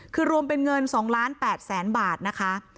คือรวมเป็นเงิน๒ล้าน๘แสนบาทนะคะ